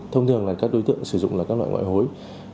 thông thường là các đối tượng sử dụng là các loại ngoại hối